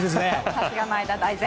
さすが前田大然。